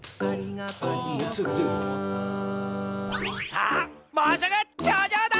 さあもうすぐちょうじょうだ！